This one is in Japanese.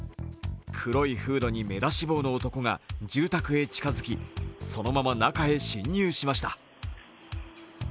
黒いフードに目出し帽の男が住宅へ近づきそのまま中へ侵入しました。